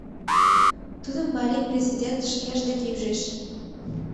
Тудым Марий президент шкеж деке ӱжеш!